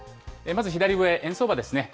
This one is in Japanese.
まず左上、円相場ですね。